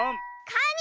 カニ